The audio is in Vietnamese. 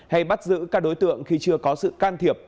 hay bắt giữ các đối tượng khi chưa có sự can thiệp